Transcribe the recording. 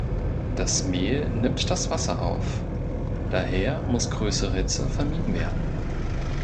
Das Mehl nimmt das Wasser auf, daher muss größere Hitze vermieden werden.